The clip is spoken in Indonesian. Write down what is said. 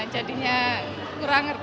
jadinya kurang ngerti